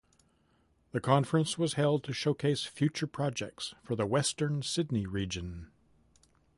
The conference was held to showcase future projects for the Western Sydney region.